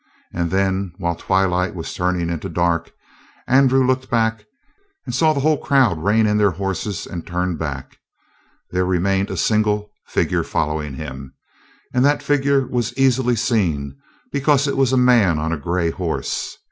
And then, while the twilight was turning into dark, Andrew looked back and saw the whole crowd rein in their horses and turn back. There remained a single figure following him, and that figure was easily seen, because it was a man on a gray horse.